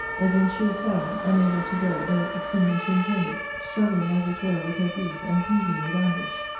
Again she was silent, unable to go, though seeming to intend it: struggling, as it were, with her grief, and heaving with anguish.